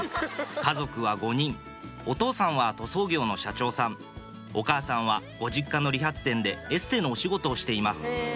家族は５人お父さんは塗装業の社長さんお母さんはご実家の理髪店でエステのお仕事をしています